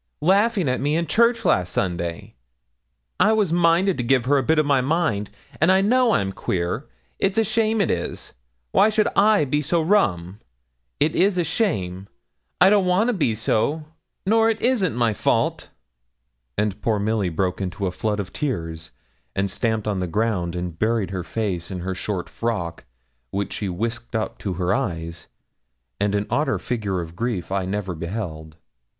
laughing at me in church last Sunday. I was minded to give her a bit of my mind. An' I know I'm queer. It's a shame, it is. Why should I be so rum? it is a shame! I don't want to be so, nor it isn't my fault.' And poor Milly broke into a flood of tears, and stamped on the ground, and buried her face in her short frock, which she whisked up to her eyes; and an odder figure of grief I never beheld.